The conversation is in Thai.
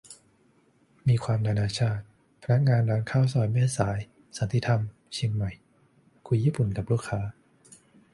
มีความนานาชาติ พนักงานร้านข้าวซอยแม่สาย สันติธรรม เชียงใหม่ คุยญี่ปุ่นกับลูกค้า